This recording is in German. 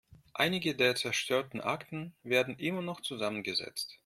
Einige der zerstörten Akten werden immer noch zusammengesetzt.